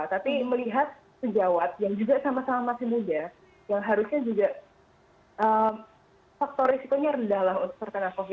tapi melihat sejawat yang juga sama sama masih muda yang harusnya juga faktor risikonya rendah lah untuk terkena covid sembilan belas